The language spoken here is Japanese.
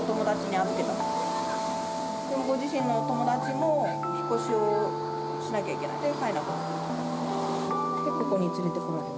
でもご自身のお友達も、引っ越しをしなきゃいけない、で、飼えなくなって。